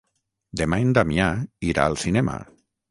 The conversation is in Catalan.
Demà en Damià irà al cinema.